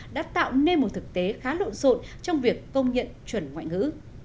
đã tạo nên một thực tế khá lộn xộn trong việc công nhận chuẩn ngoại ngữ